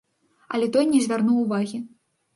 Але той не звярнуў увагі.